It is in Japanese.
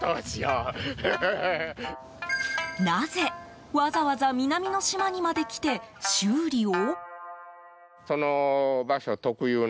なぜ、わざわざ南の島にまで来て修理を？